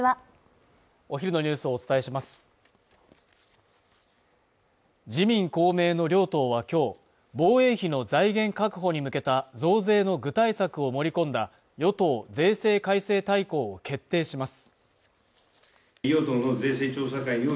お昼のニュースをお伝えします自民公明の両党はきょう防衛費の財源確保に向けた増税の具体策を盛り込んだ与党税制改正大綱を決定します